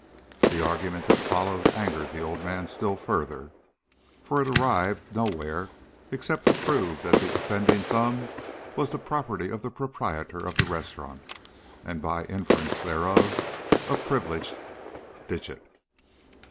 The argument that followed angered the old man still further, for it arrived nowhere except to prove that the offending thumb was the property of the proprietor of the restaurant, and by inference, therefore, a privileged digit.